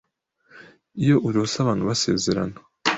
Iyo urose abantu basezerana